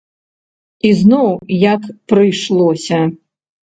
І зноў як прыйшлося.